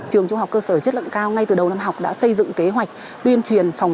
trường trung học cơ sở chất lượng cao ngay từ đầu năm học đã xây dựng kế hoạch tuyên truyền phòng